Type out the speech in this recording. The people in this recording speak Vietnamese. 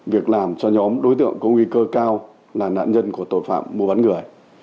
việc làm cho nhóm đối tượng có nguy cơ cao là nạn nhân của tội phạm mua bán người